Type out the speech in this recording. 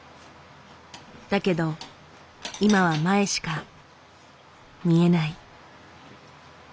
だけど今は前しか見えない。